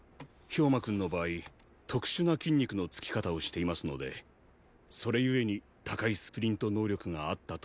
豹馬くんの場合特殊な筋肉の付き方をしていますのでそれ故に高いスプリント能力があったとも言えるのですが。